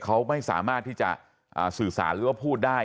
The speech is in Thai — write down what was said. เขาไม่สามารถที่จะสื่อสารหรือว่าพูดได้